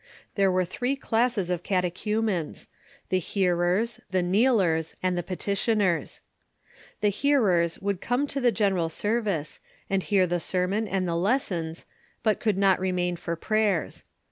There were three classes of catechumens — the hearers, the kneelers, and the petitioners. The hearers could come to the general service, and hear the sermon and the lessons, but could not remain for prayers.